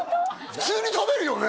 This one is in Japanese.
普通に食べるよね？